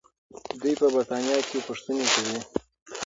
دوی په برتانیا کې پوښتنې کوي.